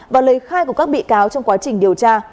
và lời khai của các bị cáo trong quá trình điều tra